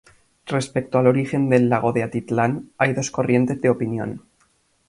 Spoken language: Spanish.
Respecto al origen del lago de Atitlán, hay dos corrientes de opinión.